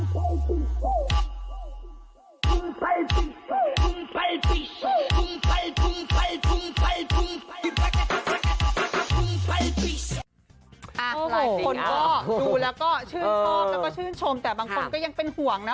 หลายคนก็ดูแล้วก็ชื่นชอบแล้วก็ชื่นชมแต่บางคนก็ยังเป็นห่วงนะ